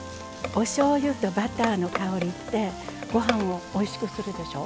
おしょうゆとバターの香りってご飯をおいしくするでしょ。